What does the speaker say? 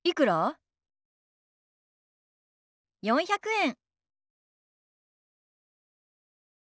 ４００円。